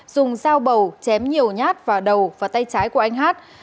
dùng dao bầu chém nhiều nhát vào đầu và tay trái của anh hát